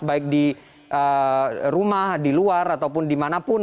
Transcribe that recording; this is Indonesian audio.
baik di rumah di luar ataupun di manapun